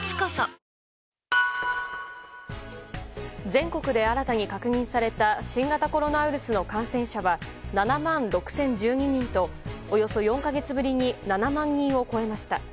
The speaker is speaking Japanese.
全国で新たに確認された新型コロナウイルスの感染者は７万６０１２人とおよそ４か月ぶりに７万人を超えました。